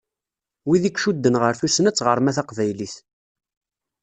Wid i icudden ɣer tussna d tɣerma taqbaylit.